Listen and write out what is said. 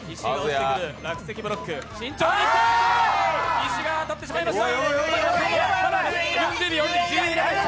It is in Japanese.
石が当たってしまいました。